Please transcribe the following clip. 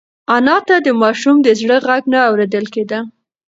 انا ته د ماشوم د زړه غږ نه اورېدل کېده.